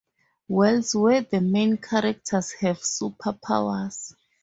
Wells where the main characters have super powers.